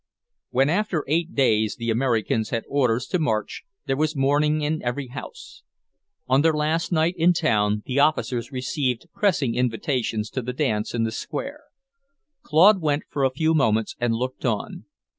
When, after eight days, the Americans had orders to march, there was mourning in every house. On their last night in town, the officers received pressing invitations to the dance in the square. Claude went for a few moments, and looked on.